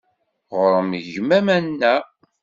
Ɣur-m gma-m a Ana?